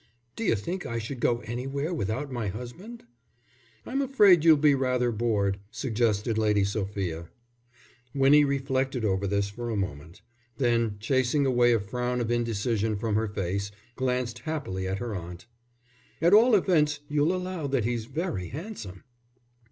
"D'you think I should go anywhere without my husband?" "I'm afraid you'll be rather bored," suggested Lady Sophia. Winnie reflected over this for a moment; then, chasing away a frown of indecision from her face, glanced happily at her aunt. "At all events, you'll allow that he's very handsome."